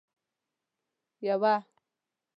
یوه